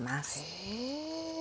へえ。